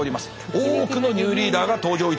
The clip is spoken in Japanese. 多くのニューリーダーが登場いたしました。